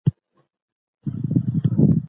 لکه د هغې هوښیارې منشي په څېر.